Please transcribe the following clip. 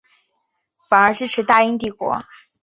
反而支持大英帝国。